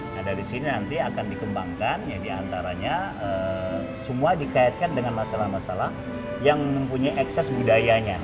nah dari sini nanti akan dikembangkan ya diantaranya semua dikaitkan dengan masalah masalah yang mempunyai ekses budayanya